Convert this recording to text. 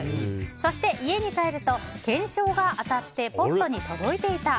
そして、家に帰ると懸賞が当たってポストに届いていた！